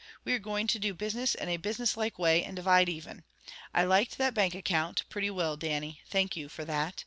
We are going to do business in a businesslike way, and divide even. I liked that bank account, pretty will, Dannie. Thank you, for that.